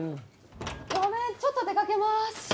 ごめんちょっと出かけます